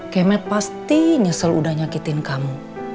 kemet pasti nyesel udah nyakitin kamu